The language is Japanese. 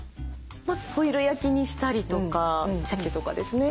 ホイル焼きにしたりとかしゃけとかですね。